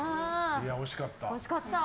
惜しかった。